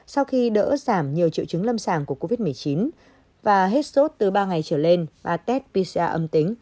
sau khi đỡ giảm nhiều triệu chứng lâm sàng của covid một mươi chín và hết sốt từ ba ngày trở lên và test pisia âm tính